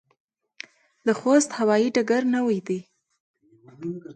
د خوست هوايي ډګر نوی دی